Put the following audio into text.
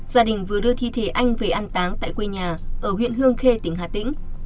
gia đình vừa đưa thi thể anh về ăn táng tại quê nhà ở huyện hương khê tỉnh hà tĩnh